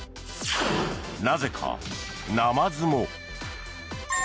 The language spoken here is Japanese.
なぜか、ナマズも。